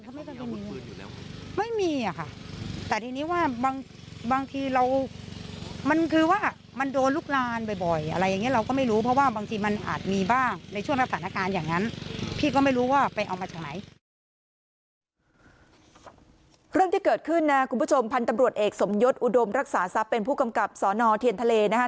เรื่องที่เกิดขึ้นนะคุณผู้ชมพันธุ์ตำรวจเอกสมยศอุดมรักษาทรัพย์เป็นผู้กำกับสอนอเทียนทะเลนะคะ